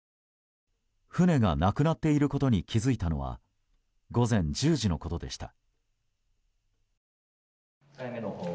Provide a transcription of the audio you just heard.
船がなくなっていることに気づいたのは午前１０時のことでした。